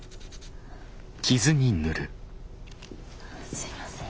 すいません。